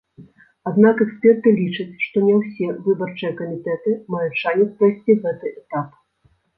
Аднак эксперты лічаць, што не ўсе выбарчыя камітэты маюць шанец прайсці гэты этап.